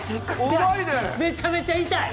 めちゃめちゃ痛い痛い！